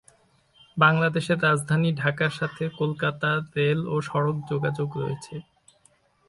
বাংলাদেশের রাজধানী ঢাকার সাথে কলকাতার রেল ও সড়ক সংযোগ রয়েছে।